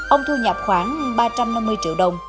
ông thu nhập khoảng ba trăm năm mươi triệu đồng